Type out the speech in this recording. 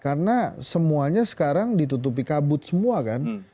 karena semuanya sekarang ditutupi kabut semua kan